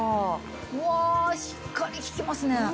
うわしっかり効きますね。